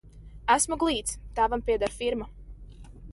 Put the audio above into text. Esmu glīts, tēvam pieder firma.